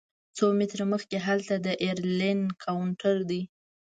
څو متره مخکې هلته د ایرلاین کاونټر دی.